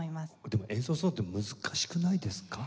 でも演奏するのって難しくないですか？